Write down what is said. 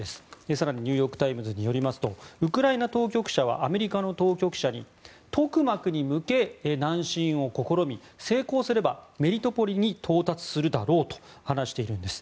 更にニューヨーク・タイムズによりますとウクライナ当局者はアメリカの当局者にトクマクに向け南進を試み成功すればメリトポリに到達するだろうと話しているんです。